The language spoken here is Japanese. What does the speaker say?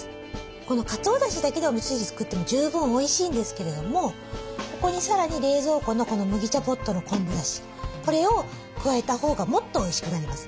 このかつおだしだけでおみそ汁作っても十分おいしいんですけれどもここにさらに冷蔵庫の麦茶ポットの昆布だしこれを加えたほうがもっとおいしくなります。